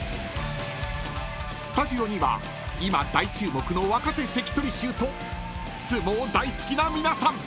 ［スタジオには今大注目の若手関取衆と相撲大好きな皆さん］